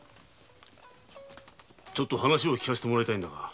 ちょっと話を聞かせてもらいたいんだが。